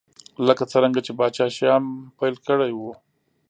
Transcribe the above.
لکه څرنګه چې پاچا شیام پیل کړی و.